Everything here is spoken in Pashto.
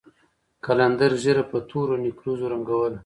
قلندر ږيره په تورو نېکريزو رنګوله.